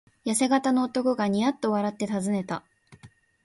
やせ型の男がニヤッと笑ってたずねた。